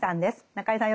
中江さん